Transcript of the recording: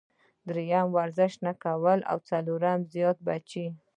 دريم ورزش نۀ کول او څلورم زيات بچي -